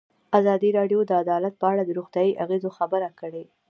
ازادي راډیو د عدالت په اړه د روغتیایي اغېزو خبره کړې.